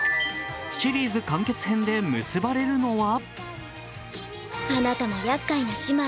シリーズ完結編で結ばれるのは？